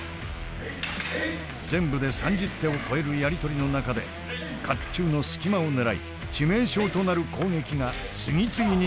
全部で３０手を超えるやり取りの中で甲冑の隙間を狙い致命傷となる攻撃が次々に繰り出されている。